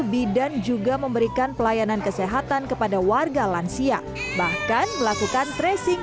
bidan juga memberikan pelayanan kesehatan kepada warga lansia bahkan melakukan tracing